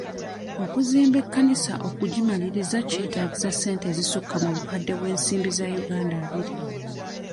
Okuzimba ekkanisa okugimaliriza kyetaagisa ssente ezisukka mu bukadde bw'ensimbi za Uganda abiri.